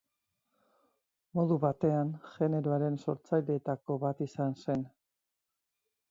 Modu batean generoaren sortzaileetako bat izan zen.